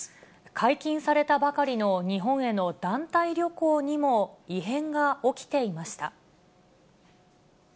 解禁されたばかりの日本への団体旅行にも異変が起きていました。